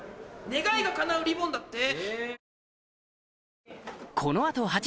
願いがかなうリボンだって。